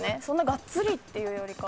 がっつりっていうよりかは。